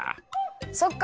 そっか。